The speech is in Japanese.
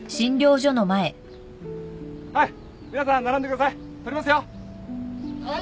はい皆さん並んでください。